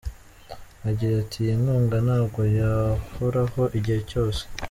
Agira ati: “Iyi nkunga ntabwo yahoraho igihe cyose.